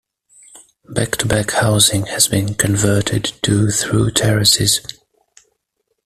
Back-to-back housing has been converted to through terraces.